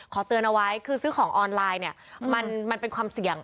เตือนเอาไว้คือซื้อของออนไลน์เนี่ยมันเป็นความเสี่ยง